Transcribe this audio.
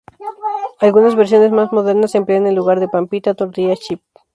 Algunas versiones más modernas emplean en lugar de pan pita tortillas chip.